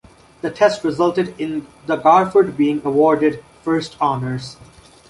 The test resulted in the Garford being awarded first honors.